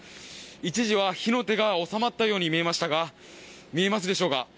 一時は火の手がおさまったように見えましたが見えますでしょうか。